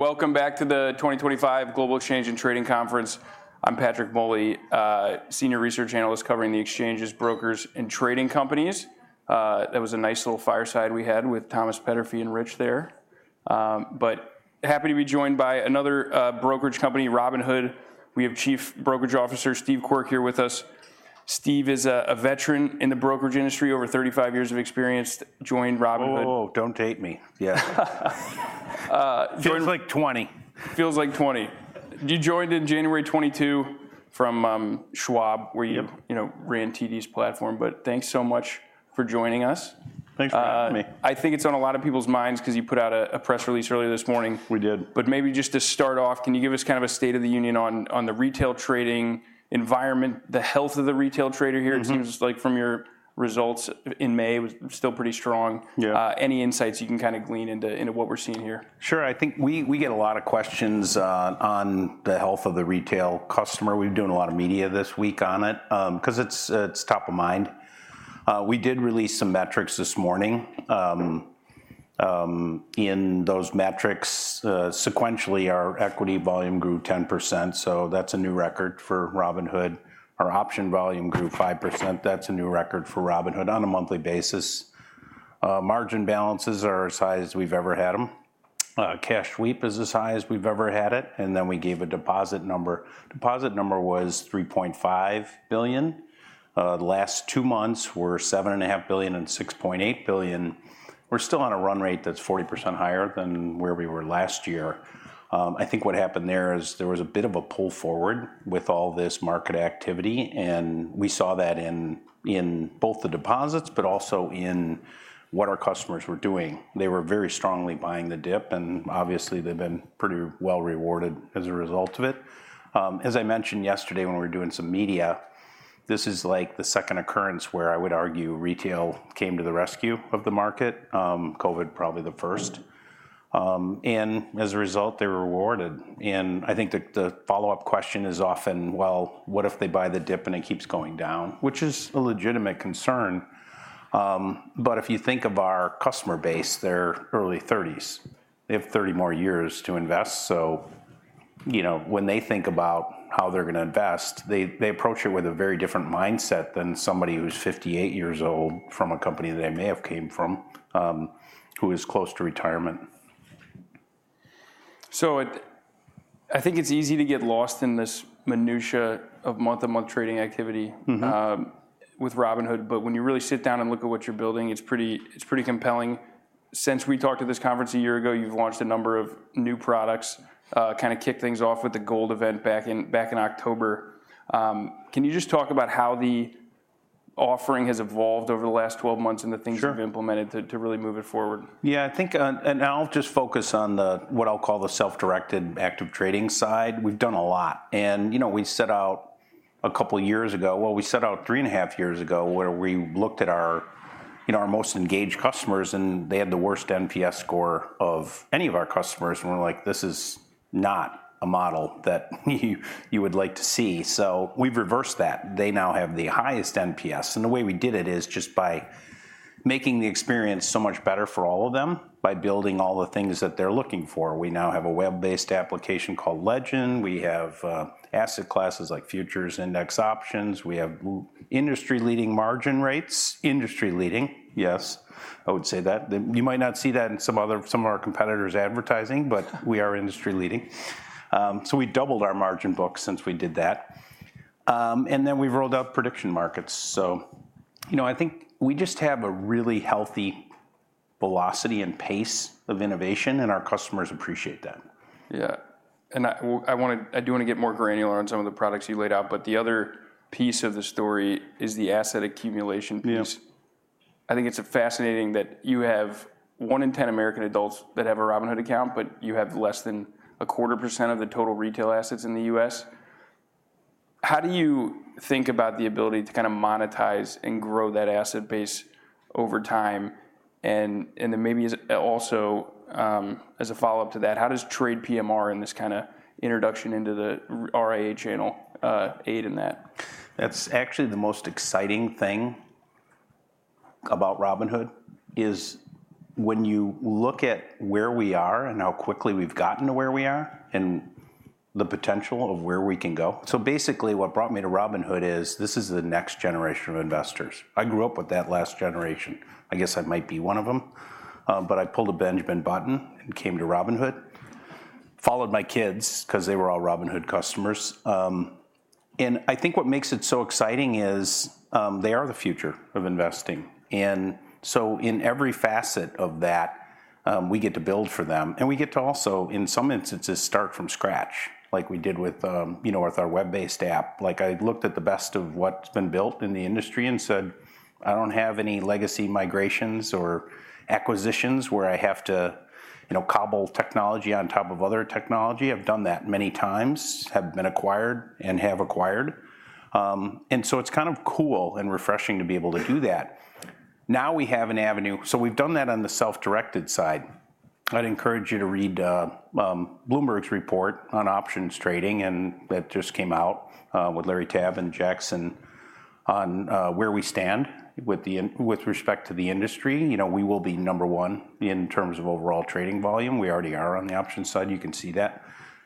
Welcome back to the 2025 Global Exchange and Trading Conference. I'm Patrick Moley, Senior Research Analyst covering the exchanges, brokers, and trading companies. That was a nice little fireside we had with Thomas Petterfy and Rich there. Happy to be joined by another brokerage company, Robinhood. We have Chief Brokerage Officer Steve Quirk here with us. Steve is a veteran in the brokerage industry, over 35 years of experience. Join Robinhood. Oh, don't date me. Yeah. Feels like 20. Feels like 20. You joined in January 2022 from Schwab, where you ran TD's platform. Thanks so much for joining us. Thanks for having me. I think it's on a lot of people's minds because you put out a press release earlier this morning. We did. Maybe just to start off, can you give us kind of a state of the union on the retail trading environment, the health of the retail trader here? It seems like from your results in May, it was still pretty strong. Any insights you can kind of glean into what we're seeing here? Sure. I think we get a lot of questions on the health of the retail customer. We've been doing a lot of media this week on it because it's top of mind. We did release some metrics this morning. In those metrics, sequentially, our equity volume grew 10%. That's a new record for Robinhood. Our option volume grew 5%. That's a new record for Robinhood on a monthly basis. Margin balances are as high as we've ever had them. Cash sweep is as high as we've ever had it. Then we gave a deposit number. Deposit number was $3.5 billion. The last two months were $7.5 billion and $6.8 billion. We're still on a run rate that's 40% higher than where we were last year. I think what happened there is there was a bit of a pull forward with all this market activity. We saw that in both the deposits, but also in what our customers were doing. They were very strongly buying the dip. Obviously, they've been pretty well rewarded as a result of it. As I mentioned yesterday when we were doing some media, this is like the second occurrence where I would argue retail came to the rescue of the market. COVID probably the first. As a result, they were rewarded. I think the follow-up question is often, what if they buy the dip and it keeps going down, which is a legitimate concern. If you think of our customer base, they're early 30's. They have 30 more years to invest. When they think about how they're going to invest, they approach it with a very different mindset than somebody who's 58 years old from a company that they may have come from, who is close to retirement. I think it's easy to get lost in this minutiae of month-to-month trading activity with Robinhood. But when you really sit down and look at what you're building, it's pretty compelling. Since we talked at this conference a year ago, you've launched a number of new products, kind of kicked things off with the Gold event back in October. Can you just talk about how the offering has evolved over the last 12 months and the things you've implemented to really move it forward? Yeah, I think, and I'll just focus on what I'll call the self-directed active trading side. We've done a lot. We set out a couple of years ago, well, we set out three and a half years ago where we looked at our most engaged customers, and they had the worst NPS score of any of our customers. We're like, this is not a model that you would like to see. We've reversed that. They now have the highest NPS. The way we did it is just by making the experience so much better for all of them by building all the things that they're looking for. We now have a web-based application called Legend. We have asset classes like futures, index options. We have industry-leading margin rates. Industry-leading, yes. I would say that. You might not see that in some of our competitors' advertising, but we are industry-leading. We doubled our margin books since we did that. We have rolled out prediction markets. I think we just have a really healthy velocity and pace of innovation, and our customers appreciate that. Yeah. I do want to get more granular on some of the products you laid out. The other piece of the story is the asset accumulation piece. I think it's fascinating that you have 1 in 10 American adults that have a Robinhood account, but you have less than a quarter % of the total retail assets in the U.S. How do you think about the ability to kind of monetize and grow that asset base over time? Maybe also as a follow-up to that, how does Trade PMR and this kind of introduction into the RIA channel aid in that? That's actually the most exciting thing about Robinhood is when you look at where we are and how quickly we've gotten to where we are and the potential of where we can go. Basically what brought me to Robinhood is this is the next generation of investors. I grew up with that last generation. I guess I might be one of them. I pulled a Benjamin Button and came to Robinhood, followed my kids because they were all Robinhood customers. I think what makes it so exciting is they are the future of investing. In every facet of that, we get to build for them. We get to also, in some instances, start from scratch, like we did with our web-based app. Like I looked at the best of what's been built in the industry and said, I don't have any legacy migrations or acquisitions where I have to cobble technology on top of other technology. I've done that many times, have been acquired and have acquired. It's kind of cool and refreshing to be able to do that. Now we have an avenue. We've done that on the self-directed side. I'd encourage you to read Bloomberg's report on options trading. That just came out with Larry Tabb and Jackson on where we stand with respect to the industry. We will be number one in terms of overall trading volume. We already are on the options side. You can see that.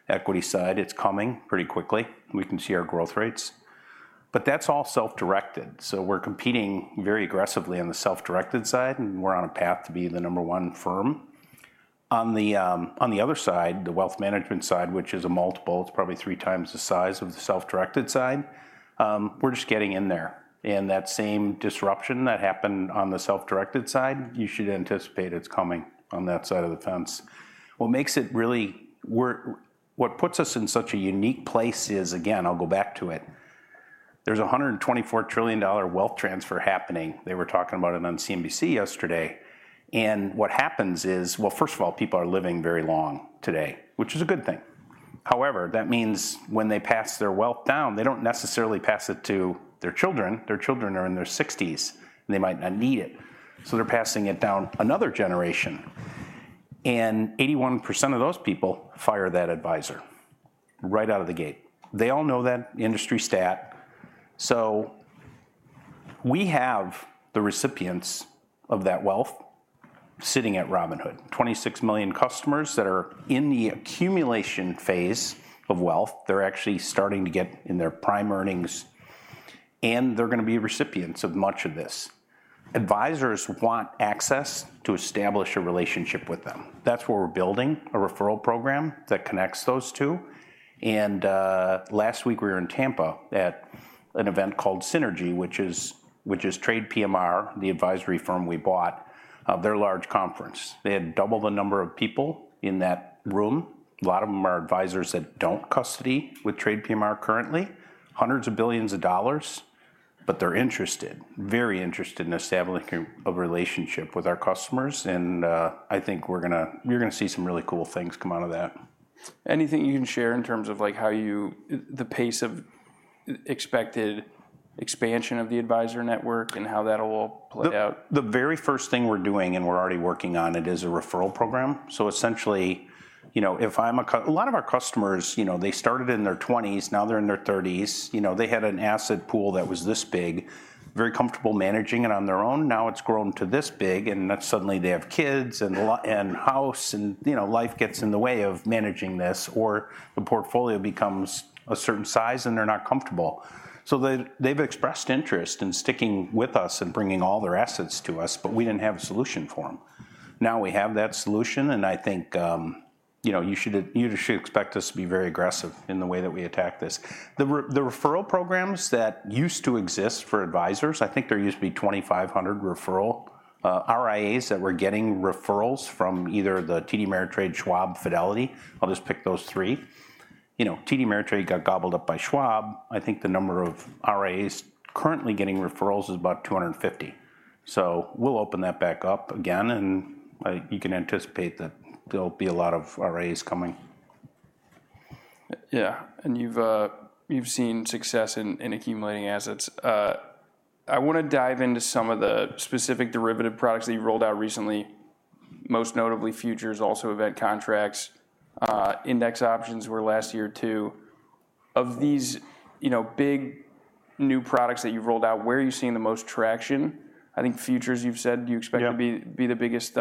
Equity side, it's coming pretty quickly. We can see our growth rates. That's all self-directed. We're competing very aggressively on the self-directed side. We're on a path to be the number one firm. On the other side, the wealth management side, which is a multiple, it's probably three times the size of the self-directed side. We're just getting in there. That same disruption that happened on the self-directed side, you should anticipate it's coming on that side of the fence. What makes it really, what puts us in such a unique place is, again, I'll go back to it. There's a $124 trillion wealth transfer happening. They were talking about it on CNBC yesterday. What happens is, first of all, people are living very long today, which is a good thing. However, that means when they pass their wealth down, they don't necessarily pass it to their children. Their children are in their 60s. They might not need it. They're passing it down another generation. 81 % of those people fire that advisor right out of the gate. They all know that industry stat. We have the recipients of that wealth sitting at Robinhood, 26 million customers that are in the accumulation phase of wealth. They're actually starting to get in their prime earnings. They're going to be recipients of much of this. Advisors want access to establish a relationship with them. That's what we're building, a referral program that connects those two. Last week we were in Tampa at an event called Synergy, which is Trade PMR, the advisory firm we bought, their large conference. They had double the number of people in that room. A lot of them are advisors that don't custody with Trade PMR currently, hundreds of billions of dollars. They're interested, very interested in establishing a relationship with our customers. I think we're going to see some really cool things come out of that. Anything you can share in terms of the pace of expected expansion of the advisor network and how that will play out? The very first thing we're doing and we're already working on it is a referral program. Essentially, if I'm a lot of our customers, they started in their 20's. Now they're in their 30's. They had an asset pool that was this big, very comfortable managing it on their own. Now it's grown to this big. Suddenly they have kids and a house, and life gets in the way of managing this. The portfolio becomes a certain size and they're not comfortable. They've expressed interest in sticking with us and bringing all their assets to us. We didn't have a solution for them. Now we have that solution. I think you should expect us to be very aggressive in the way that we attack this. The referral programs that used to exist for advisors, I think there used to be 2,500 referral RIAs that were getting referrals from either TD Ameritrade, Schwab, Fidelity. I'll just pick those three. TD Ameritrade got gobbled up by Schwab. I think the number of RIAs currently getting referrals is about 250. We will open that back up again. You can anticipate that there will be a lot of RIAs coming. Yeah. You've seen success in accumulating assets. I want to dive into some of the specific derivative products that you rolled out recently, most notably futures, also event contracts, index options were last year too. Of these big new products that you've rolled out, where are you seeing the most traction? I think futures, you've said you expect to be the biggest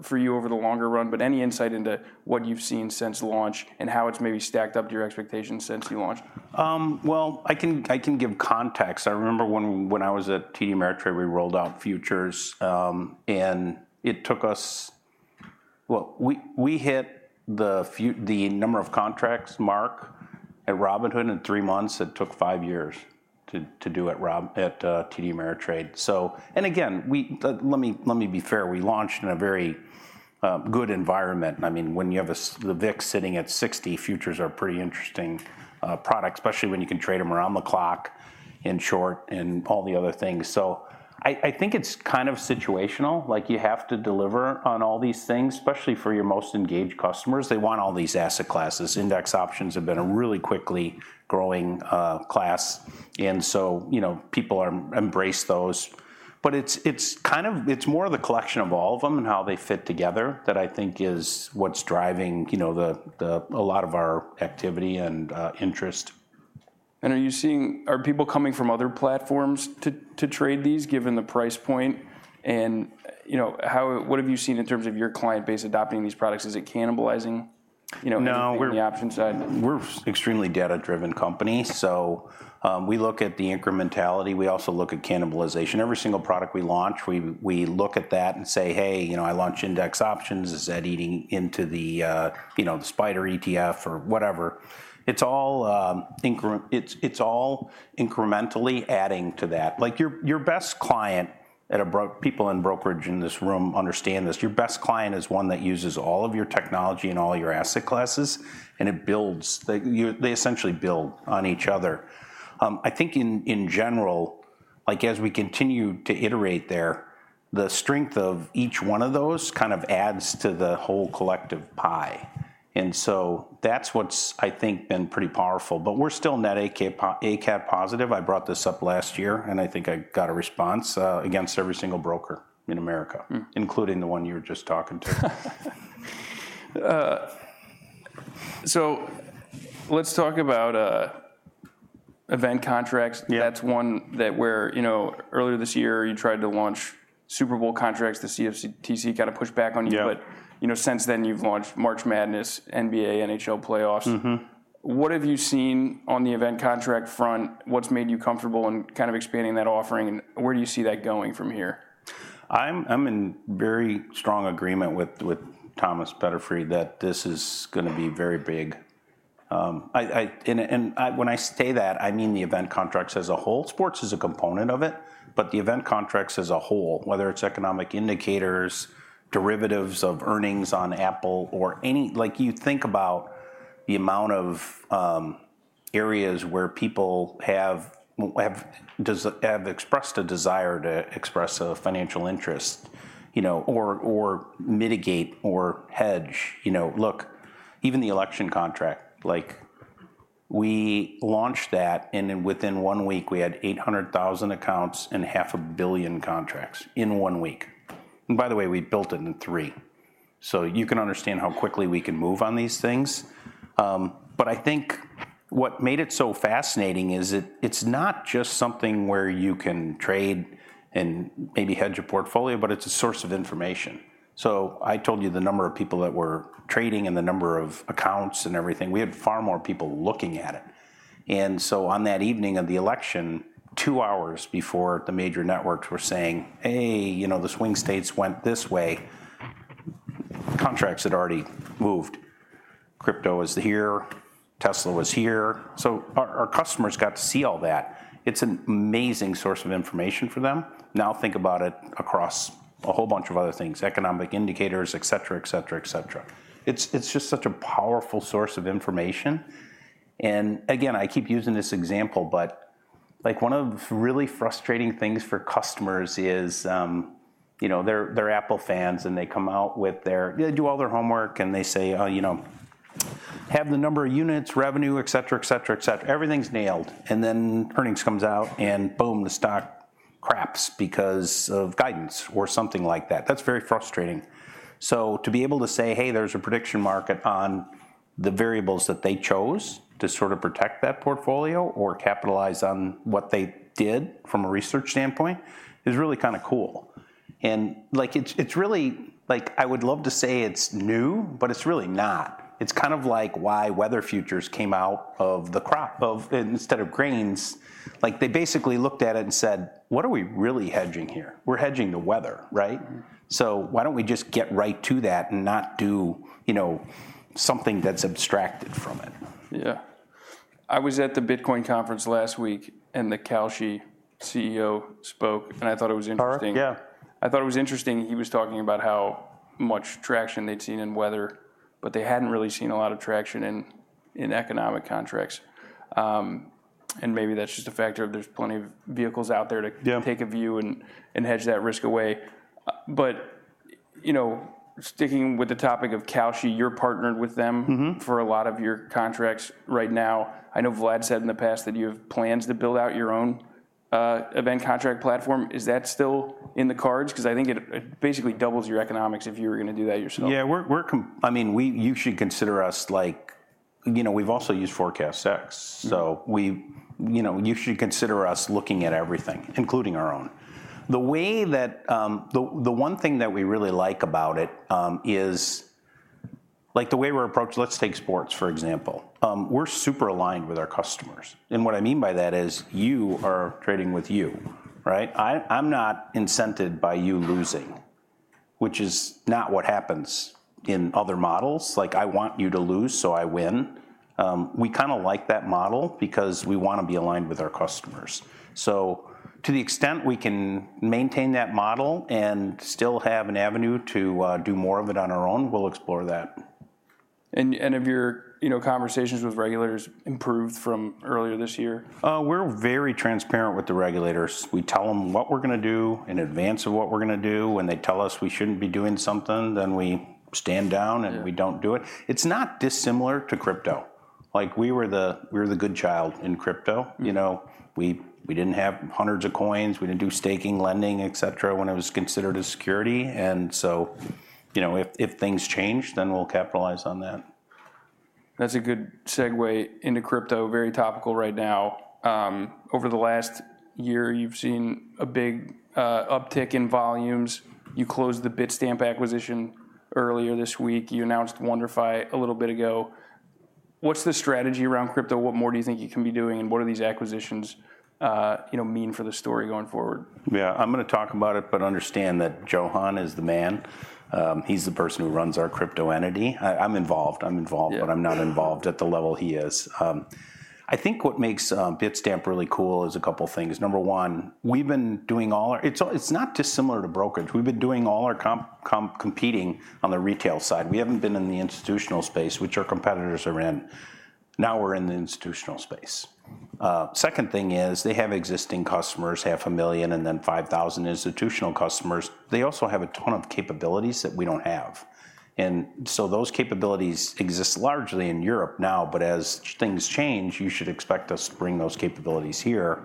for you over the longer run. Any insight into what you've seen since launch and how it's maybe stacked up to your expectations since you launched? I can give context. I remember when I was at TD Ameritrade, we rolled out futures. It took us, well, we hit the number of contracts mark at Robinhood in three months. It took five years to do it at TD Ameritrade. Again, let me be fair. We launched in a very good environment. I mean, when you have the VIX sitting at 60, futures are a pretty interesting product, especially when you can trade them around the clock in short and all the other things. I think it's kind of situational. You have to deliver on all these things, especially for your most engaged customers. They want all these asset classes. Index options have been a really quickly growing class. People embrace those. It's kind of more of the collection of all of them and how they fit together that I think is what's driving a lot of our activity and interest. Are you seeing, are people coming from other platforms to trade these given the price point? What have you seen in terms of your client base adopting these products? Is it cannibalizing the options side? We're an extremely data-driven company. We look at the incrementality. We also look at cannibalization. Every single product we launch, we look at that and say, hey, I launched index options. Is that eating into the SPDR ETF or whatever? It's all incrementally adding to that. Like your best client, and people in brokerage in this room understand this, your best client is one that uses all of your technology and all your asset classes. They essentially build on each other. I think in general, as we continue to iterate there, the strength of each one of those kind of adds to the whole collective pie. That's what's, I think, been pretty powerful. We're still net ACAT positive. I brought this up last year. I think I got a response against every single broker in America, including the one you were just talking to. Let's talk about event contracts. That's one that where earlier this year you tried to launch Super Bowl Contracts. The CFTC kind of pushed back on you. Since then you've launched March Madness, NBA, NHL playoffs. What have you seen on the event contract front? What's made you comfortable in kind of expanding that offering? Where do you see that going from here? I'm in very strong agreement with Thomas Petterfy that this is going to be very big. And when I say that, I mean the event contracts as a whole. Sports is a component of it. But the event contracts as a whole, whether it's economic indicators, derivatives of earnings on Apple, or any, like you think about the amount of areas where people have expressed a desire to express a financial interest or mitigate or hedge. Look, even the election contract, like we launched that. And within 1 week, we had 800,000 accounts and $500,000,000 contracts in one week. And by the way, we built it in 3. So you can understand how quickly we can move on these things. But I think what made it so fascinating is it's not just something where you can trade and maybe hedge a portfolio, but it's a source of information. I told you the number of people that were trading and the number of accounts and everything. We had far more people looking at it. On that evening of the election, two hours before the major networks were saying, hey, you know the swing states went this way, contracts had already moved. Crypto was here. Tesla was here. Our customers got to see all that. It's an amazing source of information for them. Now think about it across a whole bunch of other things, economic indicators, et cetera, et cetera, et cetera. It's just such a powerful source of information. Again, I keep using this example. Like one of the really frustrating things for customers is they're Apple fans. They come out with their, they do all their homework. They say, you know, have the number of units, revenue, et cetera, et cetera, et cetera. Everything's nailed. Then earnings comes out. Boom, the stock craps because of guidance or something like that. That's very frustrating. To be able to say, hey, there's a prediction market on the variables that they chose to sort of protect that portfolio or capitalize on what they did from a research standpoint is really kind of cool. Like, it's really, like I would love to say it's new, but it's really not. It's kind of like why weather futures came out of the crop instead of grains. They basically looked at it and said, what are we really hedging here? We're hedging the weather, right? Why don't we just get right to that and not do something that's abstracted from it? Yeah. I was at the Bitcoin conference last week. The Kalshi CEO spoke. I thought it was interesting. Sorry. Yeah. I thought it was interesting. He was talking about how much traction they'd seen in weather. They hadn't really seen a lot of traction in economic contracts. Maybe that's just a factor of there's plenty of vehicles out there to take a view and hedge that risk away. Sticking with the topic of Kalshi, you're partnered with them for a lot of your contracts right now. I know Vlad said in the past that you have plans to build out your own event contract platform. Is that still in the cards? I think it basically doubles your economics if you were going to do that yourself. Yeah. I mean, you should consider us like, you know, we've also used Forecast X. So you should consider us looking at everything, including our own. The one thing that we really like about it is like the way we're approached, let's take sports, for example. We're super aligned with our customers. And what I mean by that is you are trading with you, right? I'm not incented by you losing, which is not what happens in other models. Like I want you to lose, so I win. We kind of like that model because we want to be aligned with our customers. To the extent we can maintain that model and still have an avenue to do more of it on our own, we'll explore that. Have your conversations with regulators improved from earlier this year? We're very transparent with the regulators. We tell them what we're going to do in advance of what we're going to do. When they tell us we shouldn't be doing something, then we stand down and we don't do it. It's not dissimilar to crypto. Like we were the good child in crypto. You know we didn't have hundreds of coins. We didn't do staking, lending, etc., when it was considered a security. And so you know if things change, then we'll capitalize on that. That's a good segwey into crypto. Very topical right now. Over the last year, you've seen a big uptick in volumes. You closed the Bitstamp acquisition earlier this week. You announced WonderFi a little bit ago. What's the strategy around crypto? What more do you think you can be doing? What do these acquisitions mean for the story going forward? Yeah. I'm going to talk about it, but understand that Johan is the man. He's the person who runs our crypto entity. I'm involved. I'm involved, but I'm not involved at the level he is. I think what makes Bitstamp really cool is a couple of things. Number one, we've been doing all our, it's not dissimilar to brokerage. We've been doing all our competing on the retail side. We haven't been in the institutional space, which our competitors are in. Now we're in the institutional space. Second thing is they have existing customers, $500,000, and then 5,000 institutional customers. They also have a ton of capabilities that we don't have. Those capabilities exist largely in Europe now. As things change, you should expect us to bring those capabilities here.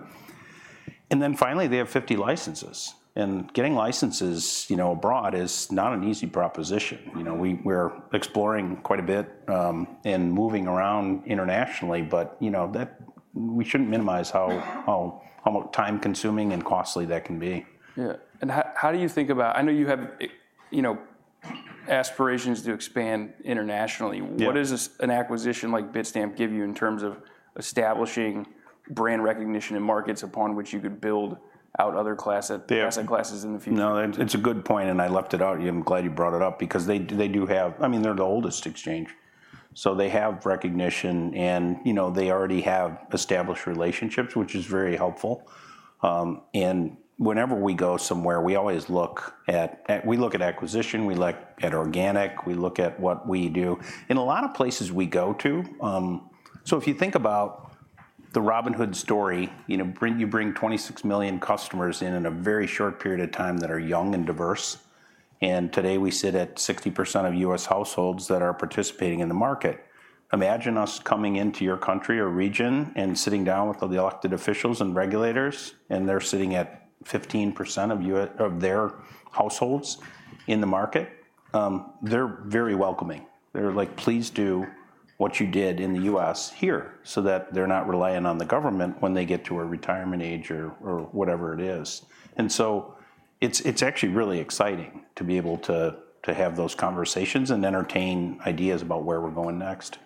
Finally, they have 50 licenses. Getting licenses abroad is not an easy proposition. We're exploring quite a bit and moving around internationally. We shouldn't minimize how time-consuming and costly that can be. Yeah. How do you think about, I know you have aspirations to expand internationally. What does an acquisition like Bitstamp give you in terms of establishing brand recognition in markets upon which you could build out other asset classes in the future? No, it's a good point. I left it out. I'm glad you brought it up because they do have, I mean, they're the oldest exchange. They have recognition. They already have established relationships, which is very helpful. Whenever we go somewhere, we always look at, we look at acquisition. We look at organic. We look at what we do in a lot of places we go to. If you think about the Robinhood story, you bring 26 million customers in in a very short period of time that are young and diverse. Today we sit at 60% of US households that are participating in the market. Imagine us coming into your country or region and sitting down with the elected officials and regulators. They're sitting at 15% of their households in the market. They're very welcoming. They're like, please do what you did in the U.S. here so that they're not relying on the government when they get to a retirement age or whatever it is. It is actually really exciting to be able to have those conversations and entertain ideas about where we're going next.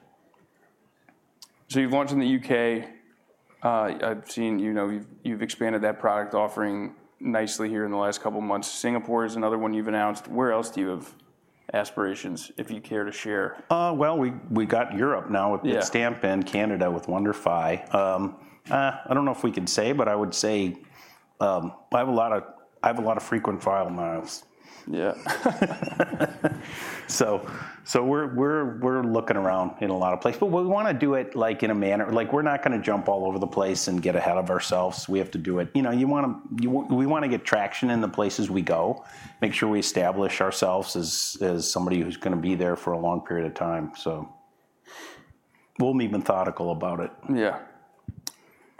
You've launched in the U.K. I've seen you've expanded that product offering nicely here in the last couple of months. Singapore is another one you've announced. Where else do you have aspirations, if you care to share? We got Europe now with Bitstamp and Canada with WonderFi. I do not know if we can say, but I would say I have a lot of frequent flyer miles. Yeah. We're looking around in a lot of places. We want to do it in a manner, like we're not going to jump all over the place and get ahead of ourselves. We have to do it. We want to get traction in the places we go, make sure we establish ourselves as somebody who's going to be there for a long period of time. We'll be methodical about it. Yeah.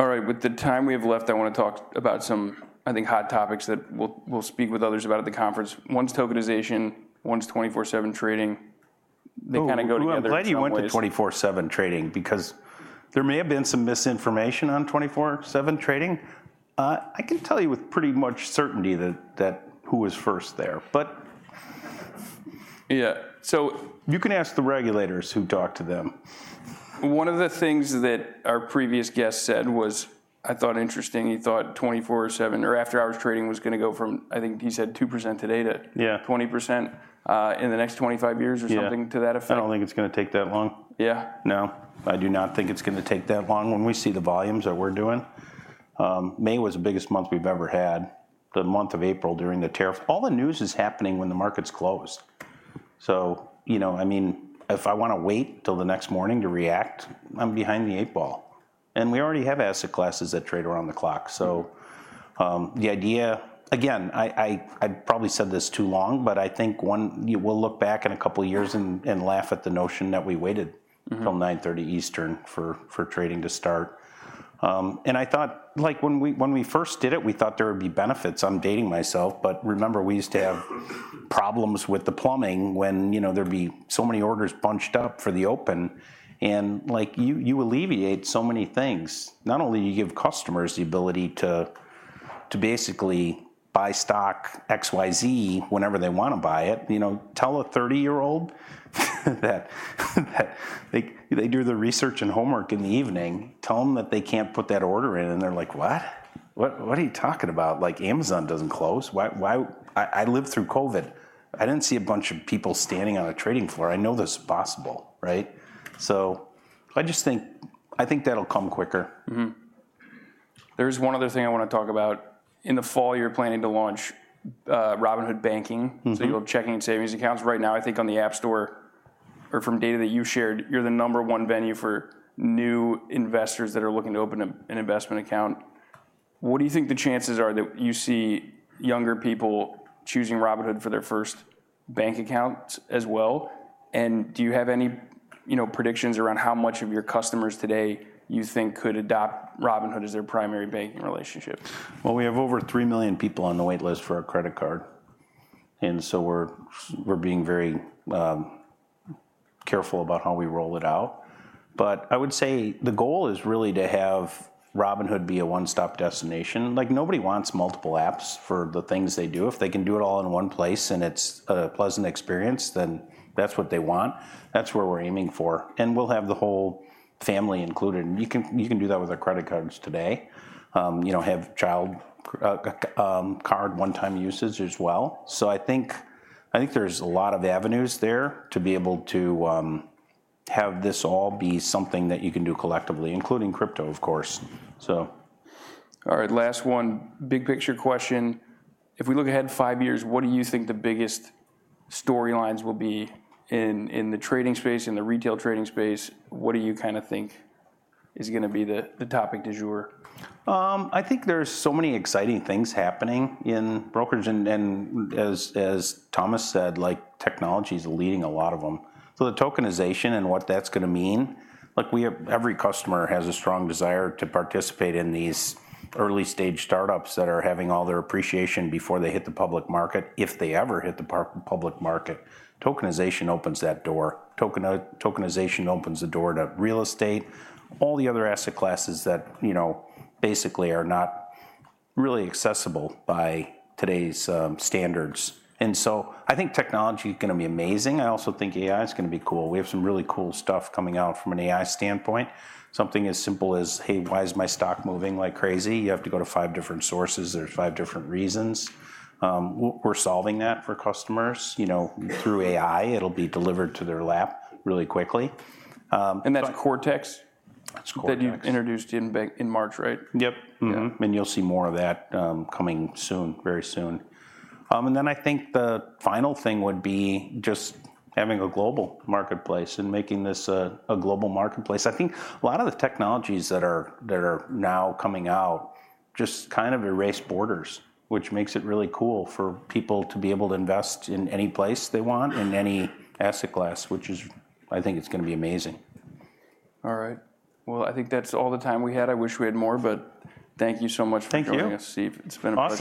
All right. With the time we have left, I want to talk about some, I think, hot topics that we'll speak with others about at the conference. One's tokenization. One's 24/7 trading. They kind of go together. I'm glad you went to 24/7 trading because there may have been some misinformation on 24/7 trading. I can tell you with pretty much certainty who was first there. Yeah. You can ask the regulators who talk to them. One of the things that our previous guest said was, I thought interesting, he thought 24/7 or after-hours trading was going to go from, I think he said 2% today to 20% in the next 25 years or something to that effect. I don't think it's going to take that long. Yeah. No. I do not think it's going to take that long when we see the volumes that we're doing. May was the biggest month we've ever had, the month of April during the tariff. All the news is happening when the market's closed. I mean, if I want to wait till the next morning to react, I'm behind the eight ball. We already have asset classes that trade around the clock. The idea, again, I probably said this too long, but I think we'll look back in a couple of years and laugh at the notion that we waited till 9:30 A.M. Eastern for trading to start. I thought like when we first did it, we thought there would be benefits. I'm dating myself. Remember, we used to have problems with the plumbing when there'd be so many orders bunched up for the open. You alleviate so many things. Not only do you give customers the ability to basically buy stock XYZ whenever they want to buy it, tell a 30-year-old that they do the research and homework in the evening, tell them that they cannot put that order in. They are like, what? What are you talking about? Like Amazon does not close. I lived through COVID. I did not see a bunch of people standing on a trading floor. I know this is possible, right? I just think that will come quicker. There's one other thing I want to talk about. In the fall, you're planning to launch Robinhood Banking. So you'll have checking and savings accounts. Right now, I think on the App Store or from data that you shared, you're the number one venue for new investors that are looking to open an investment account. What do you think the chances are that you see younger people choosing Robinhood for their first bank accounts as well? And do you have any predictions around how much of your customers today you think could adopt Robinhood as their primary banking relationship? We have over 3 million people on the wait list for a credit card. We are being very careful about how we roll it out. I would say the goal is really to have Robinhood be a one-stop destination. Like nobody wants multiple apps for the things they do. If they can do it all in one place and it is a pleasant experience, then that is what they want. That is where we are aiming for. We will have the whole family included. You can do that with our credit cards today. You know, have child card one-time usage as well. I think there is a lot of avenues there to be able to have this all be something that you can do collectively, including crypto, of course. All right. Last one, big picture question. If we look ahead five years, what do you think the biggest storylines will be in the trading space, in the retail trading space? What do you kind of think is going to be the topic du jour? I think there's so many exciting things happening in brokers. As Thomas said, technology is leading a lot of them. The tokenization and what that's going to mean, like every customer has a strong desire to participate in these early-stage startups that are having all their appreciation before they hit the public market, if they ever hit the public market. Tokenization opens that door. Tokenization opens the door to real estate, all the other asset classes that basically are not really accessible by today's standards. I think technology is going to be amazing. I also think AI is going to be cool. We have some really cool stuff coming out from an AI standpoint. Something as simple as, hey, why is my stock moving like crazy? You have to go to five different sources. There's five different reasons. We're solving that for customers through AI. It'll be delivered to their lap really quickly. That's Cortex. That's Cortex. That you introduced in March, right? Yep. You'll see more of that coming soon, very soon. I think the final thing would be just having a global marketplace and making this a global marketplace. I think a lot of the technologies that are now coming out just kind of erase borders, which makes it really cool for people to be able to invest in any place they want, in any asset class, which is, I think it's going to be amazing. All right. I think that's all the time we had. I wish we had more, but thank you so much for coming to see us. Thank you. It's been a pleasure.